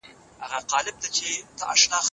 د مقالې املا او انشا د شاګرد لخوا سمېږي.